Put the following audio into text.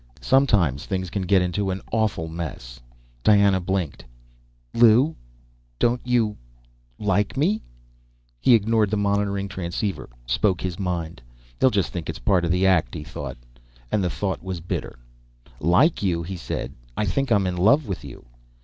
"Sometimes things can get into an awful mess!" Diana blinked. "Lew ... don't you ... like me?" He ignored the monitoring transceiver, spoke his mind. They'll just think it's part of the act, he thought. And the thought was bitter. "Like you?" he asked. "I think I'm in love with you!"